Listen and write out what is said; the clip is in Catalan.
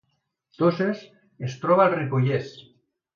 Toses es troba al Ripollès